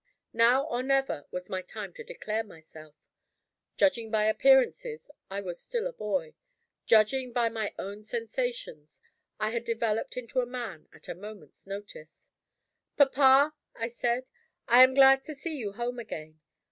Now, or never, was my time to declare myself. Judging by appearances, I was still a boy. Judging by my own sensations, I had developed into a man at a moment's notice. "Papa," I said, "I am glad to see you home again.